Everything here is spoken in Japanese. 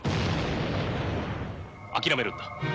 諦めるんだ。